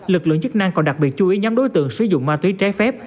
lực lượng chức năng còn đặc biệt chú ý nhóm đối tượng sử dụng ma túy trái phép